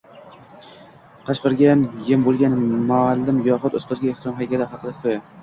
Qashqirga yem bo‘lgan muallim yoxud “Ustozga ehtirom” haykali haqida hikoya